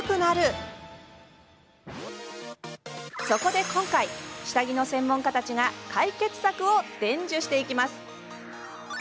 そこで今回、下着の専門家たちが解決策を伝授していきます。